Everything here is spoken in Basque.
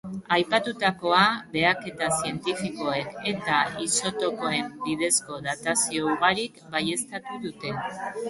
Aipatutakoa behaketa zientifikoek eta isotopoen bidezko datazio ugarik baieztatu dute.